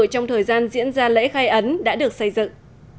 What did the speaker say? trong thời gian diễn ra lễ khai ấn đã được xây dựng